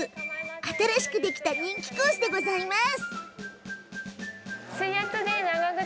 新しくできた人気コースでございます。